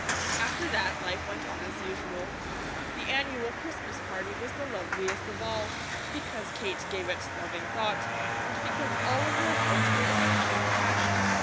After that life went on as usual. The annual Christmas party was the loveliest of all, because Kate gave it loving thought, and because all of their hearts were especially touched.